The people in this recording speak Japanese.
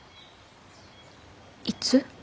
いつ？